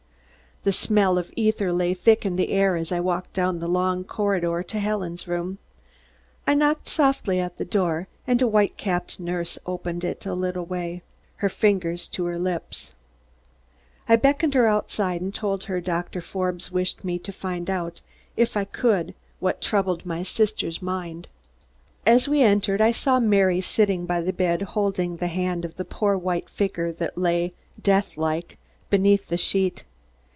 The smell of ether lay thick in the air as I walked down the long corridor to Helen's room. I knocked softly at the door and a white capped nurse opened it a little way, her finger to her lips. I beckoned her outside and told her Doctor Forbes wished me to find out, if I could, what troubled my sister's mind. As we entered, I saw Mary sitting by the bed, holding the hand of the poor white figure that lay, death like, beneath the sheet.